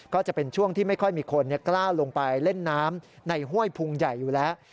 ก็จะเป็นช่วงที่ไม่ค่อยมีคนกล้าลงไปเล่นน้ำในห้วยพุงใหญ่อยู่แล้ว